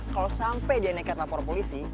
kalau sampai dia nekat lapor polisi